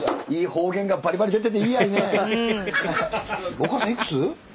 おかあさんいくつ？